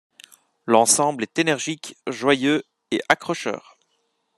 L'ensemble est énergique, joyeux et accrocheur.